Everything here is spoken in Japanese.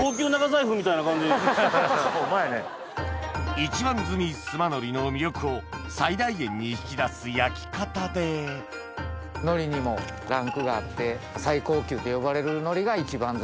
一番摘み須磨海苔の魅力を最大限に引き出す焼き方で海苔にもランクがあって。って呼ばれる海苔が。